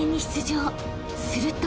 ［すると］